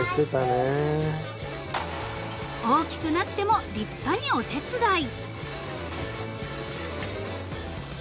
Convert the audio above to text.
［大きくなっても立派にお手伝い］